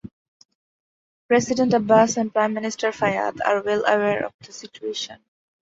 President Abbas and Prime Minister Fayyad are well aware of the situation.